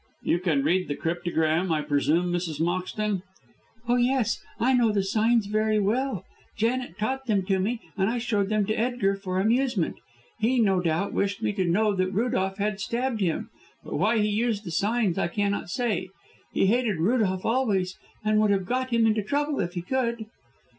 "You can read the cryptogram, I presume, Mrs. Moxton?" "Oh, yes, I know the signs very well. Janet taught them to me, and I showed them to Edgar for amusement. He, no doubt, wished me to know that Rudolph had stabbed him, but why he used the signs I cannot say. He hated Rudolph always, and would have got him into trouble if he could."